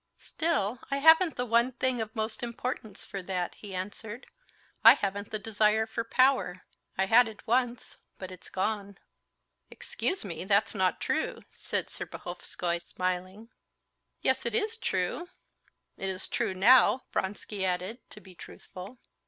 "Still I haven't the one thing of most importance for that," he answered; "I haven't the desire for power. I had it once, but it's gone." "Excuse me, that's not true," said Serpuhovskoy, smiling. "Yes, it is true, it is true ... now!" Vronsky added, to be truthful.